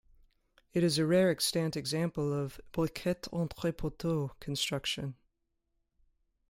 It is a rare extant example of "briquette-entre-poteaux" construction.